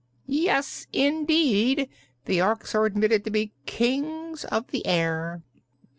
"Yes, indeed; the Orks are admitted to be Kings of the Air."